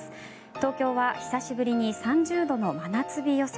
東京は久しぶりに３０度の真夏日予想。